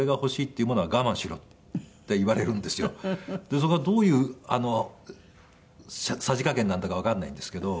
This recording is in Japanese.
それがどういうさじ加減なんだかわからないんですけど。